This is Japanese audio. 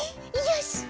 よし。